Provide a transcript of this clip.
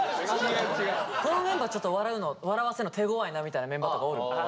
このメンバーちょっと笑わせんの手ごわいなみたいなメンバーとかおる？